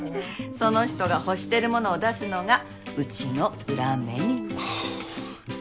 その人が欲してるものを出すのがうちの裏メニュー。